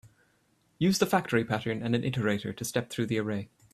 Use the factory pattern and an iterator to step through the array.